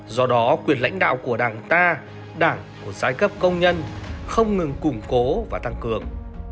do đó quyền lãnh đạo của đảng ta đảng của giai cấp công nhân không ngừng củng cố và tăng cường